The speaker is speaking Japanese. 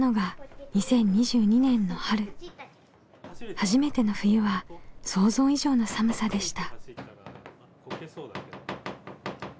初めての冬は想像以上の寒さでした。